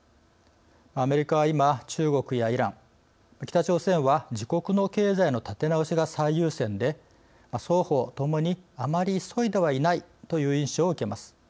アメリカは今、中国やイラン北朝鮮は自国の経済の立て直しが最優先で双方ともにあまり急いではいないという印象を受けます。